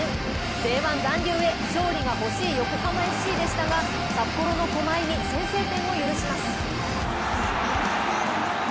Ｊ１残留へ、勝利が欲しい横浜ＦＣでしたが札幌の駒井に先制点を許します。